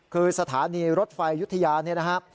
คือสถานีรถไฟยุทธิานะฮะ